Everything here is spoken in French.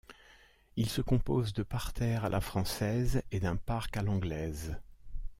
Il se compose de parterres à la française et d'un parc à l'anglaise.